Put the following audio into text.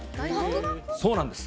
そうなんです。